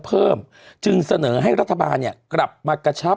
เพิ่มจึงเสนอให้รัฐบาลเนี่ยกลับมากระชับ